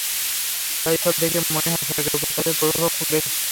তাই এসব দেখে মনে হয়, সরকারের ওপর তাদের প্রভাব খুব বেশি।